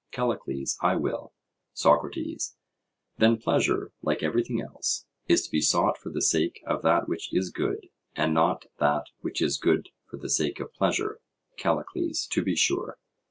CALLICLES: I will. SOCRATES: Then pleasure, like everything else, is to be sought for the sake of that which is good, and not that which is good for the sake of pleasure? CALLICLES: To be sure.